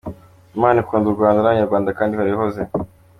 Imana ikunda u Rwanda n’ Abanyarwanda kandi ihora ihoze.